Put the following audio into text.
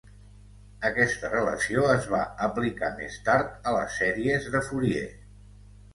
Aquesta relació es va aplicar més tard a les Sèries de Fourier.